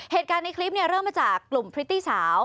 เหตุการณ์ในคลิปเริ่มมาจากกลุ่มพริตตี้สาว